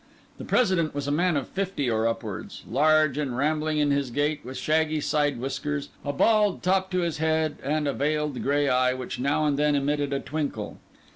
The President was a man of fifty or upwards; large and rambling in his gait, with shaggy side whiskers, a bald top to his head, and a veiled grey eye, which now and then emitted a twinkle.